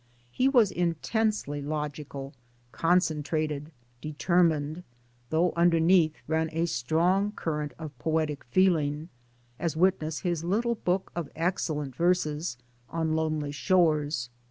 He was intensely logical, concentrated, determined though underneath ran a strong cur rent of poetic feeling as witness his little book of excellent verses On Lonely Shores (1892).